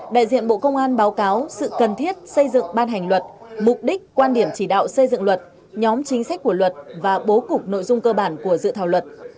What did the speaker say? đại diện bộ công an báo cáo sự cần thiết xây dựng ban hành luật mục đích quan điểm chỉ đạo xây dựng luật nhóm chính sách của luật và bố cục nội dung cơ bản của dự thảo luật